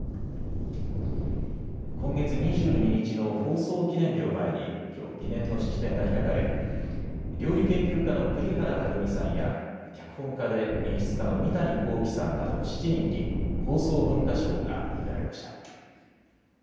今月２２日の放送記念日を前にきょう記念の式典が開かれ料理研究家の栗原はるみさんや脚本家で演出家の三谷幸喜さんなど７人に放送文化賞が贈られました。